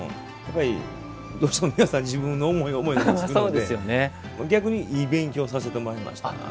やっぱりどうしても皆さん自分の思い思いのものを作るので逆にいい勉強をさせてもらいました。